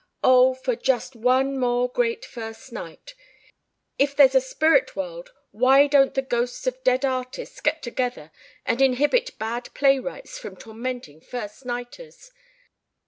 ... Oh, for just one more great first night ... if there's a spirit world why don't the ghosts of dead artists get together and inhibit bad playwrights from tormenting first nighters?